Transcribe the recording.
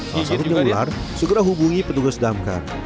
salah satunya ular segera hubungi petugas damkar